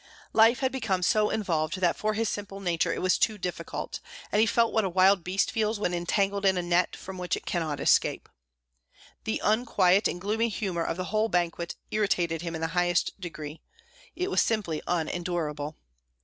Life had become so involved that for his simple nature it was too difficult, and he felt what a wild beast feels when entangled in a net from which it cannot escape. The unquiet and gloomy humor of the whole banquet irritated him in the highest degree. It was simply unendurable.